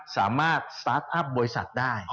สามารถสตาร์ทอัพบริษัทได้